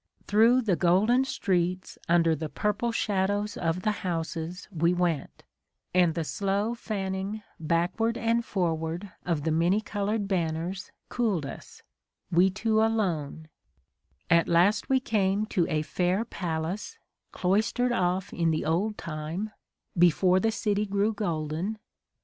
Through the golden streets under the purple shadows of the houses we went, and the slow fanning backward and forward of the many coloured banners cooled us : we two alone At last we came to a fair palace, cloistered off in the old time, before the city grew golden